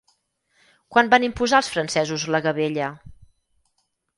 Quan van imposar els francesos la gabella?